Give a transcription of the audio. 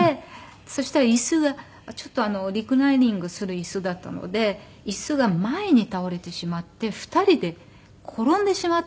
そしたら椅子がちょっとリクライニングする椅子だったので椅子が前に倒れてしまって２人で転んでしまったんですね。